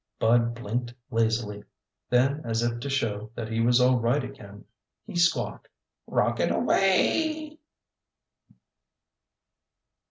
Bud blinked lazily. Then as if to show that he was all right again, he squawked, "Rocket away!"